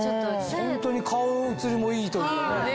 ホントに顔映りもいいというかね。